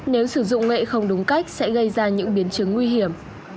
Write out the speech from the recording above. nếu sử dụng nghệ không đúng cách sẽ gây ra những biến chứng nguy hiểm